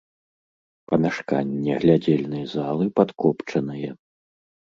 Памяшканне глядзельнай залы падкопчанае.